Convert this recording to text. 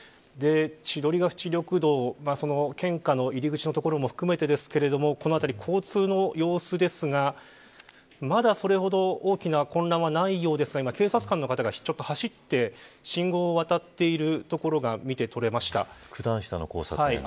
千鳥ヶ淵緑道献花の入り口の所も含めてですけれどもこの辺り、交通の様子ですがまだそれほど大きな混乱はないようですが今、警察官の方が走って信号を渡っているところが九段下の交差点ですね。